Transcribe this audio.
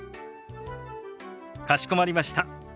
かしこまりました。